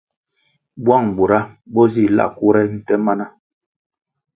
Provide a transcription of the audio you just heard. Bwang bura bo zih la kure nte mana.